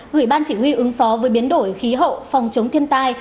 gửi ban chỉ huy ứng phó với biến đổi khí hậu phòng chống thiên tai